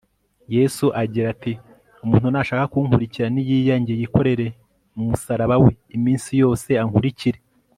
yesu agira ati, umuntu nashaka kunkurikira niyiyange, yikorere umusaraba we iminsi yose ankurikire